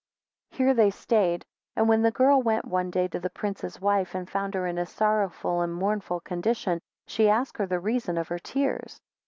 20 Here they staid, and when the girl went one day to the prince's wife, and found her in a sorrowful and mournful condition, she asked her the reason of her tears.